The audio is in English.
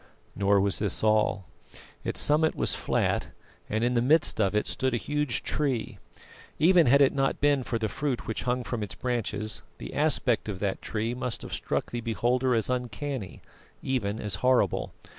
Nor was this all. Its summit was flat, and in the midst of it stood a huge tree. Even had it not been for the fruit which hung from its branches, the aspect of that tree must have struck the beholder as uncanny, even as horrible.